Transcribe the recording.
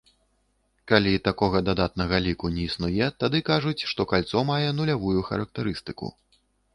Калі такога дадатнага ліку не існуе, тады кажуць, што кальцо мае нулявую характарыстыку.